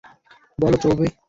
বলো, চৌবে।